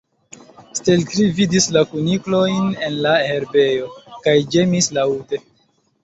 Stelkri vidis la kuniklojn en la herbejo, kaj ĝemis laŭte.